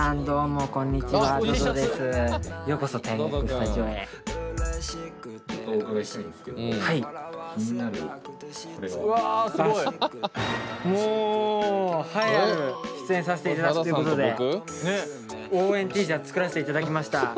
もう栄えある出演させていただくということで応援Ｔシャツ作らせていただきました。